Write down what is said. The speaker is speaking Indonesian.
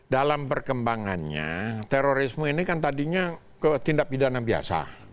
dalam perkembangannya terorisme ini kan tadinya tindak pidana biasa